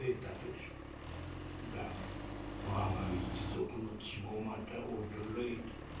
だがわが一族の血もまた衰えた。